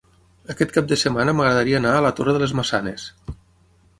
Aquest cap de setmana m'agradaria anar a la Torre de les Maçanes.